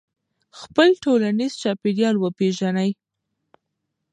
خپل ټولنیز چاپېریال وپېژنئ.